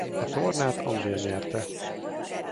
A tornát Anglia nyerte.